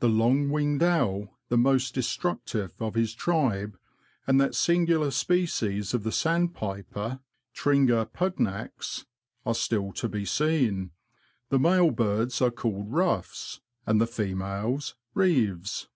The long winged owl, the most destructive of his tribe, and that singular species of the sandpiper, Tringa pugnax, are still to be seen ; the male birds are called ruffs, and the females reeves.